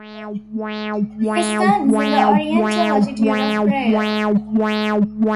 He stands in the Oriental attitude of prayer.